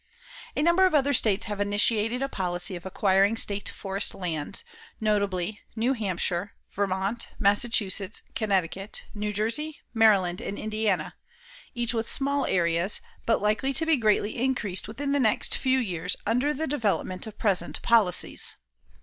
A number of other states have initiated a policy of acquiring state forest lands, notably, New Hampshire, Vermont, Massachusetts, Connecticut, New Jersey, Maryland, and Indiana, each with small areas, but likely to be greatly increased within the next few years under the development of present policies.